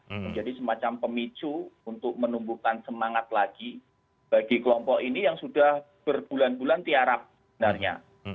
menjadi semacam pemicu untuk menumbuhkan semangat lagi bagi kelompok ini yang sudah berbulan bulan tiarap sebenarnya